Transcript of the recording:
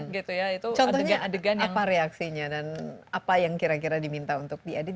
itu adegan apa reaksinya dan apa yang kira kira diminta untuk diedit